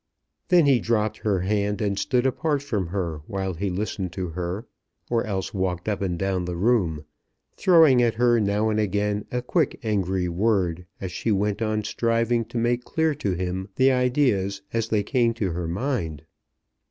Then he dropped her hand, and stood apart from her while he listened to her, or else walked up and down the room, throwing at her now and again a quick angry word, as she went on striving to make clear to him the ideas as they came to her mind.